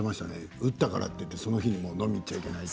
打ったからといって、その日に飲みに行っちゃいけないと。